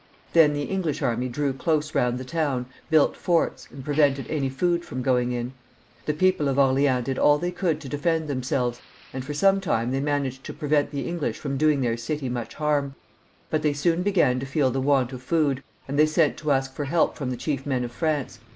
Then the English army drew close round the town, built forts, and prevented any food from going in. The people of Orleans did aU they could to defend themselves, and for some time they managed to prevent the English from doing their city much harm, but they soon began to feel the want of food, and they sent to ask for help from the chief men of France.